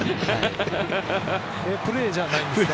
プレーじゃないんですね。